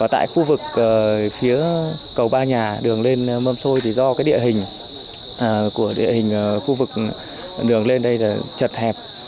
tại khu vực phía cầu ba nhà đường lên mâm xôi thì do địa hình của địa hình khu vực đường lên đây trật hẹp